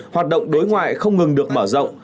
hoạt động đối ngoại không ngừng được mở rộng